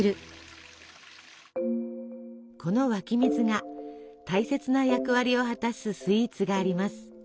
この湧き水が大切な役割を果たすスイーツがあります。